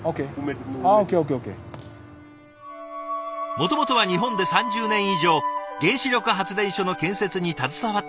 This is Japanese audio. もともとは日本で３０年以上原子力発電所の建設に携わってきた奥川さん。